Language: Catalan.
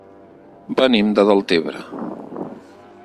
Venim de Deltebre.